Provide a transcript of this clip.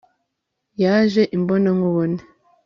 yaje imbona nkubone